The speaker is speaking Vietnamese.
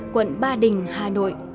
quận ba đình hà nội